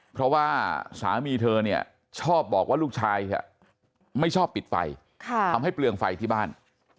เพราะว่าสามีเธอเนี่ยชอบบอกว่าลูกชายไม่ชอบปิดไฟทำให้เปลืองไฟที่บ้าน